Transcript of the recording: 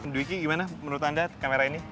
dwi ki gimana menurut anda kamera ini